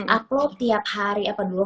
upload tiap hari apa dulu